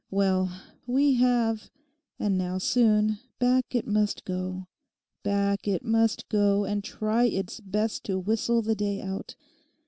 Well, we have; and now, soon, back it must go, back it must go, and try its best to whistle the day out.